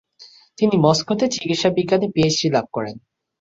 তিনি মস্কোতে চিকিৎসা বিজ্ঞানে পিএইচডি লাভ করেন।